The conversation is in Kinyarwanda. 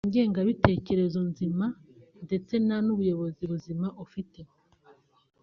nta ngengabitekerezo nzima ndetse nta n’ubuyobozi buzima ufite